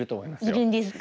いるんですか。